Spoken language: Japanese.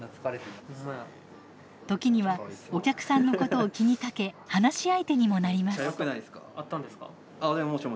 時にはお客さんのことを気にかけ話し相手にもなります。